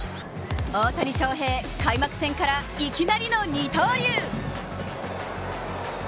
大谷翔平、開幕戦からいきなりの二刀流！